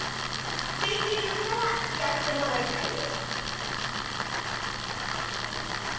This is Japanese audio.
できるならやってもらいたいね！